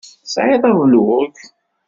Tesεiḍ ablug?